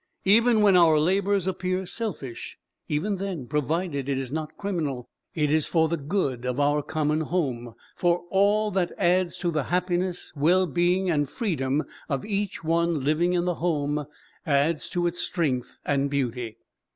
Even when our labour appears selfish, even then provided it is not criminal it is for the good of our common home: for, all that adds to the happiness, well being and freedom of each one living in the home, adds to its strength and beauty.